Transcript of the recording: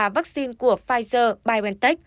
vaccine của pfizer biontech